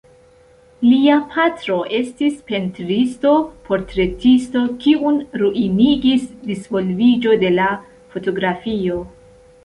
Lia patro estis pentristo-portretisto kiun ruinigis disvolviĝo de la fotografio.